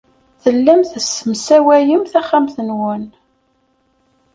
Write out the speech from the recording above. Tellam tessemsawayem taxxamt-nwen.